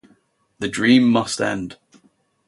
The dream must end.